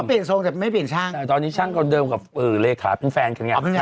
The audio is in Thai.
อ๋อเปลี่ยนส่งแต่ไม่เปลี่ยนช่างตอนนี้ช่างคนเดิมกับเลขาเป็นแฟนกันอย่างงี้